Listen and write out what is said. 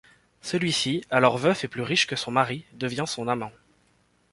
Celui-ci, alors veuf et plus riche que son mari, devient son amant.